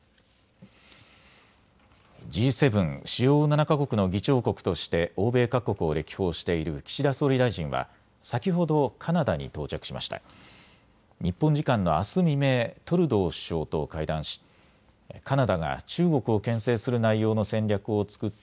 Ｇ７・主要７か国の議長国として欧米各国を歴訪している岸田総理大臣は先ほどカナダに到着しました。